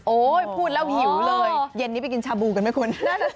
พูดแล้วหิวเลยเย็นนี้ไปกินชาบูกันไหมคุณ